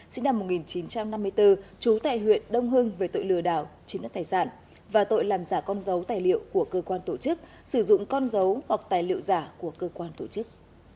sinh năm một nghìn chín trăm năm mươi bốn trú tại huyện đông hưng về tội lừa đảo chiếm đất tài sản và tội làm giả con dấu tài liệu của cơ quan tổ chức sử dụng con dấu hoặc tài liệu giả của cơ quan tổ chức